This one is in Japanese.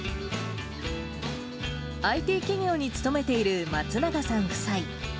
ＩＴ企業に勤めている松永さん夫妻。